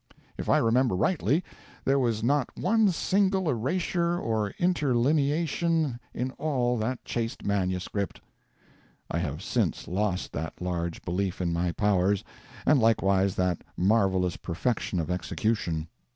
If I remember rightly, there was not one single erasure or interlineation in all that chaste manuscript. [I have since lost that large belief in my powers, and likewise that marvellous perfection of execution.